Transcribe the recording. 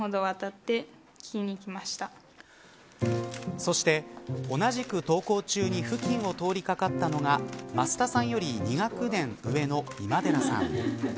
そして、同じく登校中に付近を通りかかったのが増田さんより２学年上の今寺さん。